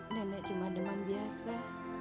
nenek cuma demam biasa